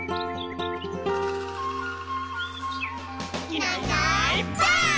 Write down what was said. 「いないいないばあっ！」